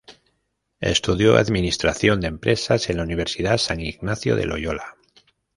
Estudió Administración de Empresas en la Universidad San Ignacio de Loyola.